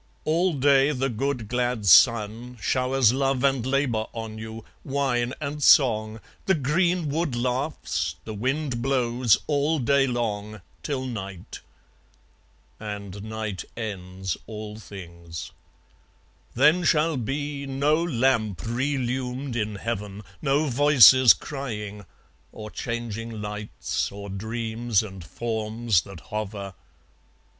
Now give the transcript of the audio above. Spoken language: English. "All day the good glad sun Showers love and labour on you, wine and song; The greenwood laughs, the wind blows, all day long Till night." And night ends all things. Then shall be No lamp relumed in heaven, no voices crying, Or changing lights, or dreams and forms that hover!